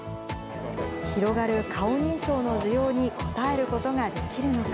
広がる顔認証の需要に応えることができるのか。